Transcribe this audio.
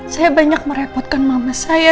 saya banyak merepotkan mama saya